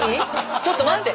⁉ちょっと待って！